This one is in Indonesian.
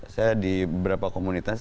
saya di beberapa komunitas